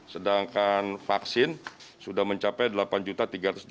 sedangkan vaksin sudah mencapai delapan tiga juta